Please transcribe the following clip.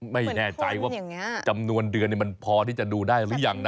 ไม่แน่ใจว่าจำนวนเดือนมันพอที่จะดูได้หรือยังนะ